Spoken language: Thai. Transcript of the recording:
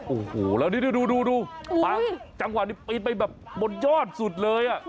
โอ้โหแล้วนี่ดูบางจังหวะนี้ปีนไปแบบบนยอดสุดเลย